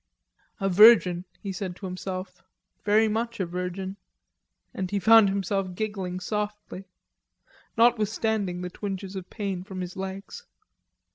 "A virgin," he said to himself, "very much a virgin," and he found himself giggling softly, notwithstanding the twinges of pain from his legs.